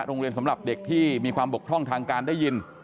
โรงเรียนสำหรับเด็กที่มีความบกท่องทางการได้ยิน